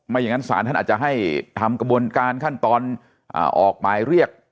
อย่างนั้นศาลท่านอาจจะให้ทำกระบวนการขั้นตอนออกหมายเรียก